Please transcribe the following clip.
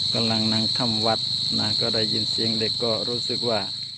กำลังนั่งถ้ำวัดนะก็ได้ยินเสียงเด็กก็รู้สึกว่า